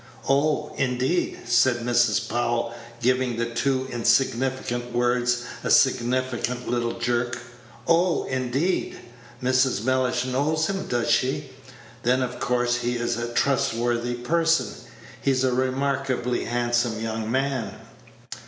"Oh, indeed!" said Mrs. Powell, giving the two insignificant words a significant little jerk; "oh, indeed! Mrs. Mellish knows him, does she? Then of course he is a trustworthy person. He's a remarkably handsome young man."